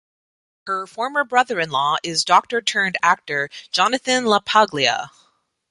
Her former brother in-law is doctor-turned-actor Jonathan LaPaglia.